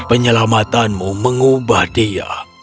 penyelamatanmu mengubah dia